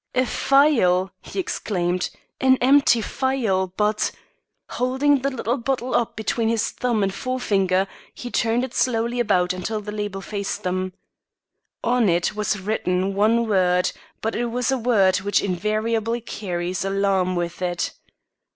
"A phial!" he exclaimed, "An empty phial, but " Holding the little bottle up between his thumb and forefinger, he turned it slowly about until the label faced them. On it was written one word, but it was a word which invariably carries alarm with it.